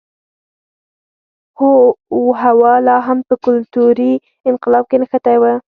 هوا لا هم په کلتوري انقلاب کې نښتی و.